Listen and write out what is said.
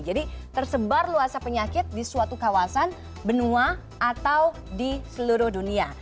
jadi tersebar luasa penyakit di suatu kawasan benua atau di seluruh dunia